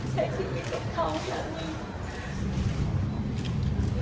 ใช้ชีวิตกับเขาอย่างนี้